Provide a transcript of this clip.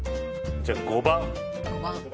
じゃあ、５番。